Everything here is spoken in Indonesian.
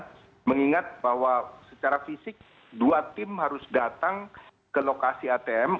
dan mengingat bahwa secara fisik dua tim harus datang ke lokasi atm